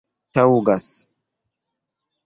taŭgas